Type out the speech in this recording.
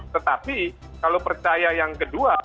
tetapi kalau percaya yang kedua